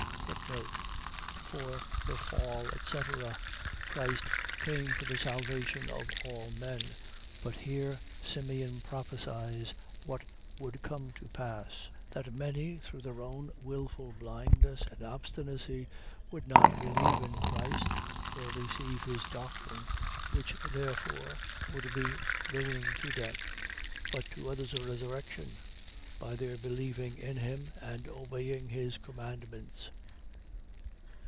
For the fall, etc. . .Christ came for the salvation of all men; but here Simeon prophesies what would come to pass, that many through their own wilful blindness and obstinacy would not believe in Christ, nor receive his doctrine, which therefore would be ruin to them: but to others a resurrection, by their believing in him, and obeying his commandments.